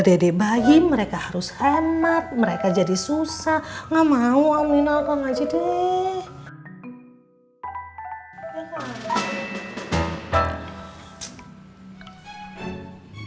dede bayi mereka harus hemat mereka jadi susah enggak mau amin al qan'ajib